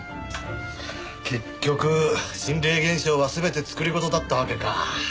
結局心霊現象は全て作り事だったわけか。